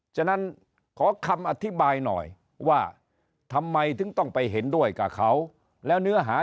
ฉะนั้นขอคำอธิบายหน่อยว่าทำไมถึงต้องไปเห็นด้วยกับเขาแล้วเนื้อหา